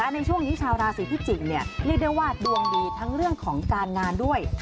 ในช่วงนี้ชาวราศีพิจิกษ์เรียกได้ว่าดวงดีทั้งเรื่องของการงานด้วย